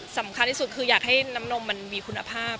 สำคัญที่สุดคืออยากให้น้ำนมมันมีคุณภาพ